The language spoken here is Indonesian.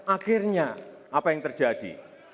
akhirnya apa yang terjadi